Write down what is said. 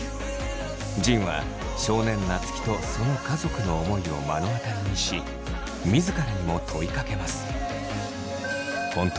仁は少年夏樹とその家族の思いを目の当たりにし自らにも問いかけます。